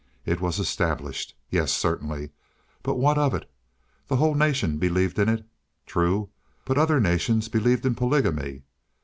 It was established. Yes, certainly. But what of it? The whole nation believed in it. True, but other nations believed in polygamy.